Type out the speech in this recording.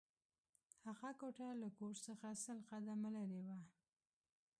هغه کوټه له کور څخه سل قدمه لېرې وه